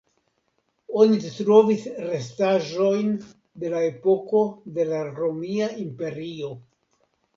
Oni trovis restaĵojn de la epoko de la Romia Imperio.